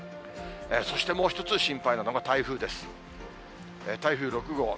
そしてもう一つ心配なのが台風です。